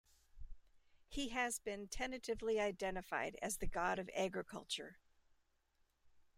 He has been tentatively identified as the god of agriculture.